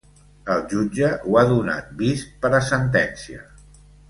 El jutge ho ha donat ‘vist per a sentència’.